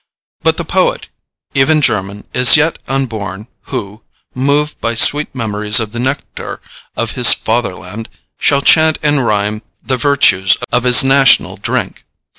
But the poet, even German, is yet unborn, who, moved by sweet memories of the nectar of his fatherland, shall chant in rhyme the virtues of his national drink.